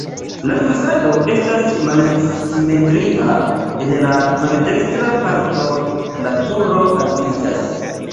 La fasado estas malsimetria, en la maldekstra parto la turo altiĝas.